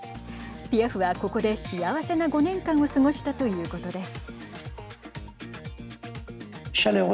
ピアフはここで幸せな５年間を過ごしたということです。